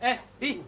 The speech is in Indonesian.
wee udah pulang